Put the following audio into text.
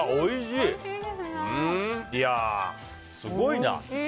いやー、すごいな。